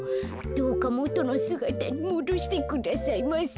どうかもとのすがたにもどしてくださいませ」。